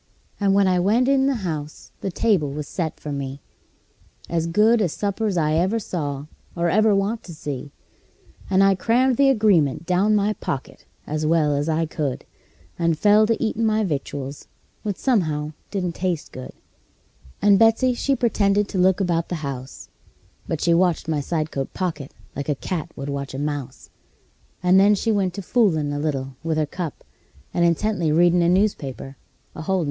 And when I went in the house the table was set for me As good a supper's I ever saw, or ever want to see; And I crammed the agreement down my pocket as well as I could, And fell to eatin' my victuals, which somehow didn't taste good. And Betsey, she pretended to look about the house, But she watched my side coat pocket like a cat would watch a mouse: And then she went to foolin' a little with her cup, And intently readin' a newspaper, a holdin' it wrong side up.